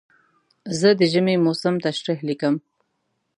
زه د ژمي موسم تشریح لیکم.